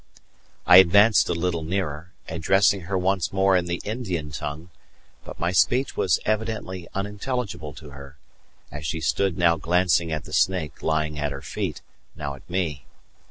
I advanced a little nearer, addressing her once more in the Indian tongue; but my speech was evidently unintelligible to her, as she stood now glancing at the snake lying at her feet, now at me.